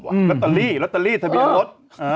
รถตะลี่รถตะลี่ถะเบียนรถ